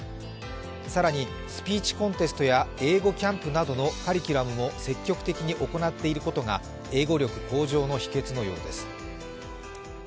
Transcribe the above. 更にスピーチコンテストや英語キャンプなどのカリキュラムも積極的に行っていることが英語力向上の秘けつのようです。